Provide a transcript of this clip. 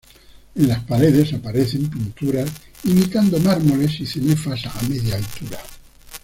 En las paredes aparecen pinturas imitando mármoles, y cenefas a media altura.